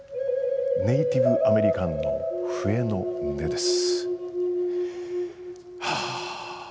ネイティブアメリカンの笛の音色です。